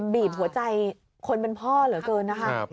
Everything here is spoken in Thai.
บีบหัวใจหวก่อนเป็นพ่อเหลือเติล